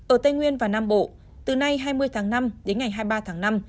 ở tây nguyên và nam bộ từ nay hai mươi tháng năm đến ngày hai mươi ba tháng năm